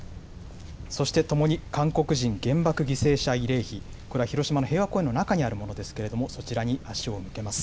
そしてともに韓国人原爆犠牲者慰霊碑、これは広島の平和公園の中にあるものですけれども、そちらに足を向けます。